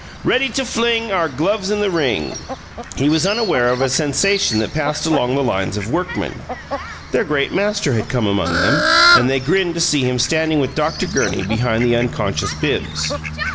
Ready to fling Our gloves in the ring He was unaware of a sensation that passed along the lines of workmen. Their great master had come among them, and they grinned to see him standing with Dr. Gurney behind the unconscious Bibbs.